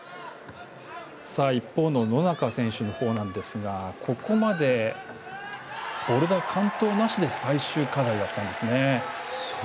一方の野中選手の方なんですがここまでボルダー、完登なしで最終課題だったんですね。